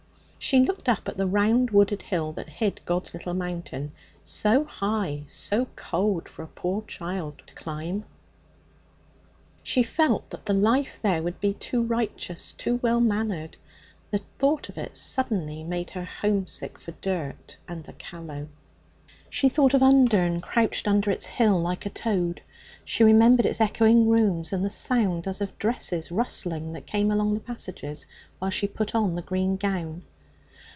She looked up at the round wooded hill that hid God's Little Mountain so high, so cold for a poor child to climb. She felt that the life there would be too righteous, too well mannered. The thought of it suddenly made her homesick for dirt and the Callow. She thought of Undern crouched under its hill like a toad. She remembered its echoing rooms and the sound as of dresses rustling that came along the passages while she put on the green gown.